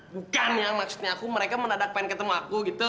bukan yan maksudnya aku mereka mendadak pengen ketemu aku gitu